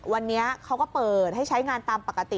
วันนี้เขาก็เปิดให้ใช้งานตามปกติ